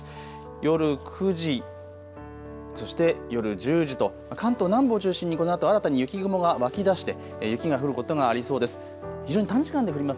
夜９時、そして夜１０時と関東南部を中心にこのあと新たに雪雲が湧き出して雪が降ることがありそうです。